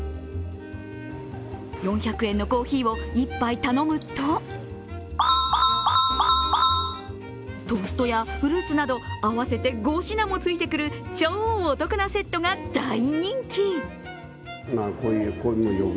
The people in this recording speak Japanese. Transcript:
４００円のコーヒーを１杯頼むとトーストやフルーツなど合わせて５品もついてくる超お得なセットが大人気！